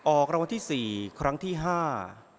ออกรางวัลที่สี่ครั้งที่ห้า